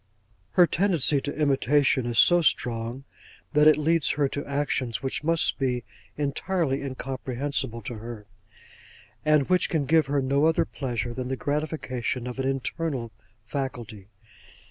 'Her tendency to imitation is so strong, that it leads her to actions which must be entirely incomprehensible to her, and which can give her no other pleasure than the gratification of an internal faculty.